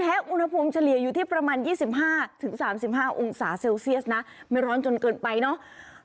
แฮะอุณหภูมิเฉลี่ยอยู่ที่ประมาณยี่สิบห้าถึงสามสิบห้าองศาเซลเซียสนะไม่ร้อนจนเกินไปเนอะ